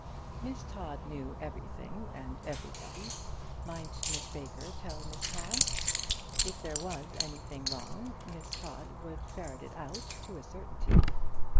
Miss Todd knew everything and everybody. Might Miss Baker tell Miss Todd? If there was anything wrong, Miss Todd would ferret it out to a certainty.